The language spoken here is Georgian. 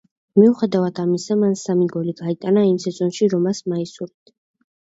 მიუხედავად ამისა, მან სამი გოლი გაიტანა იმ სეზონში „რომას“ მაისურით.